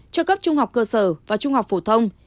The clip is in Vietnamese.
cho cấp trung học cơ sở và trung học phổ thông